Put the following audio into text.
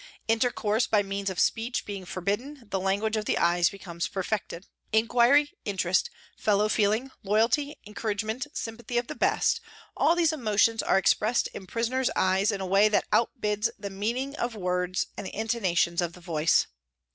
Intercourse by means of speech being forbidden, the language of the eyes becomes perfected. Inquiry, interest, fellow feeling, loyalty, encouragement, sympathy of the best, all these emotions are expressed in prisoners' eyes in a way that outbids the meaning of words and the intonations of the voice.